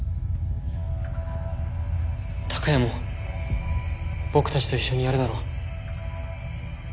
孝也も僕たちと一緒にやるだろ？